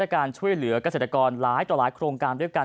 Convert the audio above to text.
การช่วยเหลือกเกษตรกรหลายต่อหลายโครงการด้วยกัน